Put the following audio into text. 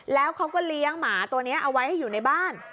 แล้วเขาก็เลี้ยงหมาตัวนี้เอาไว้ให้อยู่ในบ้าน